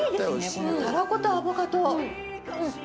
このたらことアボカド